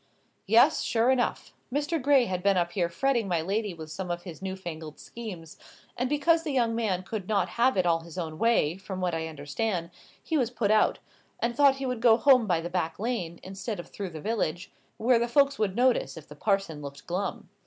"Yes, sure enough. Mr. Gray had been up here fretting my lady with some of his new fangled schemes, and because the young man could not have it all his own way, from what I understand, he was put out, and thought he would go home by the back lane, instead of through the village, where the folks would notice if the parson looked glum.